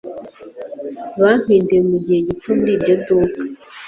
Bampinduye mugihe gito muri iryo duka